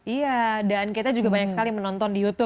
iya dan kita juga banyak sekali menonton di youtube